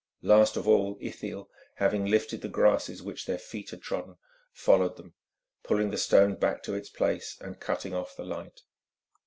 Last of all Ithiel, having lifted the grasses which their feet had trodden, followed them, pulling the stone back to its place, and cutting off the light.